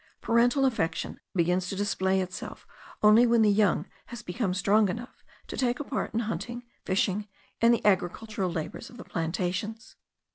Parental affection begins to display itself only when the son has become strong enough to take a part in hunting, fishing, and the agricultural labours of the plantations.